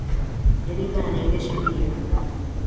Dereva anaendesha mbio.